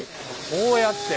こうやって。